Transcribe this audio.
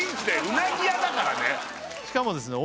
うなぎ屋だからねしかもですね